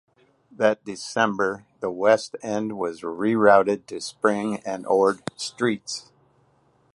That December the west end was rerouted to Spring and Ord Streets.